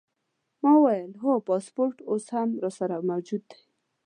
ما وویل: هو، پاسپورټ اوس هم راسره موجود دی.